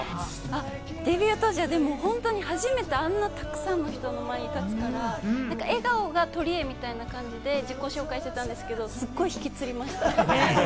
デビュー当時は本当にあんなたくさんの人の前に初めて立つから、笑顔が取柄みたいな感じで自己紹介してたんですけれども、スッゴい、ひきつりました。